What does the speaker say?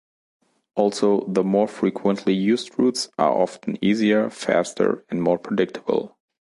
Also, the more frequently used routes are often easier, faster and more predictable.